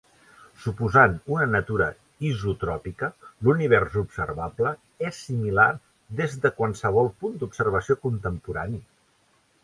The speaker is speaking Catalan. Suposant una natura isotròpica, l'univers observable és similar des de qualsevol punt d'observació contemporani.